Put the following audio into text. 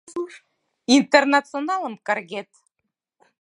«Интернационалым» каргет!